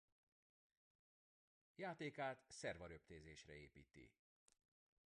Játékát szerva-röptézésre építi.